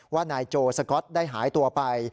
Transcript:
ว่านายโจสก๊อตได้หายตัวไป